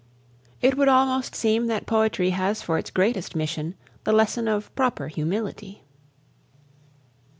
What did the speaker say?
It would almost seem that poetry has for its greatest mission the lesson of a proper humility.